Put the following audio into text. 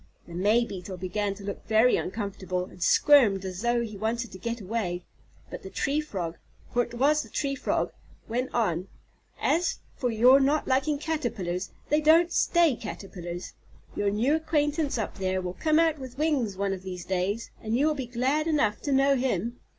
The May Beetle began to look very uncomfortable, and squirmed as though he wanted to get away, but the Tree Frog, for it was the Tree Frog, went on: "As for your not liking Caterpillars, they don't stay Caterpillars. Your new acquaintance up there will come out with wings one of these days, and you will be glad enough to know him."